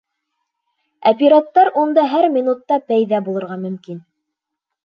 Ә пираттар унда һәр минутта пәйҙә булырға мөмкин.